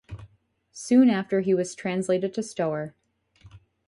Soon after he was translated to Stoer.